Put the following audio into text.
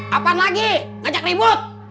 kapan lagi ngajak ribut